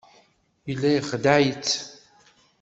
Yella ixeddeɛ-itt.